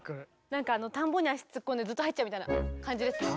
なんか田んぼに足突っ込んでずっと入っちゃうみたいな感じですか？